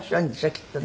きっとね。